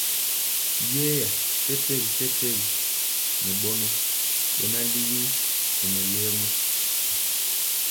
Yeeya tɛtɛgi ŋɛ bɔnɔ bɛ ligi nɛ mɛleoma.